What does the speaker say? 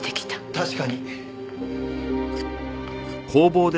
確かに。